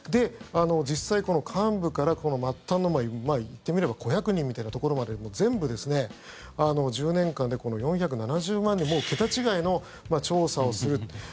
実際、この幹部から末端の言ってみれば小役人みたいなところまで全部１０年間で４７０万人桁違いの調査をする。